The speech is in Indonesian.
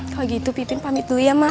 kalau gitu pipin pamit dulu ya mak